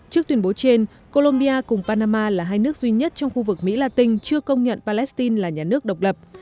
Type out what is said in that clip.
trước tuyên bố trên colombia cùng panama là hai nước duy nhất trong khu vực mỹ la tinh chưa công nhận palestine là nhà nước độc lập